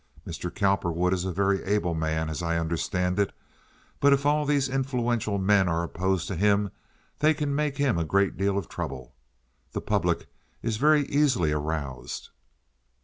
Mr. Cowperwood is a very able man, as I understand it, but if all these influential men are opposed to him they can make him a great deal of trouble. The public is very easily aroused."